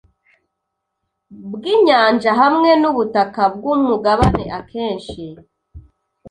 bwinyanja hamwe nubutaka bwumugabane akenshi